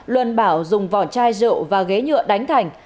luân bảo dùng vỏ chai rượu và ghế nhựa đánh thành